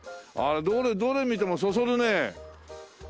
どれ見てもそそるね。